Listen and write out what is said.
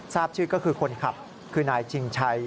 ทราบชื่อก็คือคนขับคือนายชิงชัย